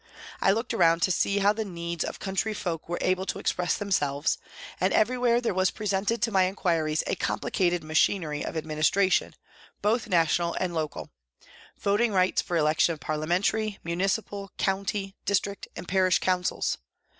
I looked around to see how the needs of country folk were able to express themselves, and everywhere there was presented to my inquiries a complicated machinery of administration both national and local voting rights for election of parliamentary, municipal, county, district and parish councils.